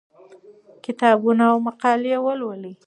کتابونه او مقالې ولولئ.